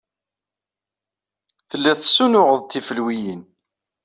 Telliḍ tessunuɣeḍ-d tifelwiyin.